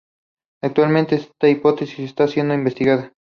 Actualmente esta hipótesis está siendo investigada.